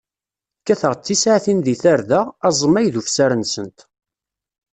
Kkateɣ d tisaɛtin di tarda, aẓmay d ufsar-nsent.